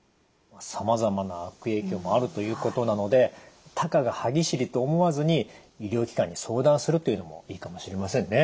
さまざまな悪影響もあるということなのでたかが歯ぎしりと思わずに医療機関に相談するというのもいいかもしれませんね。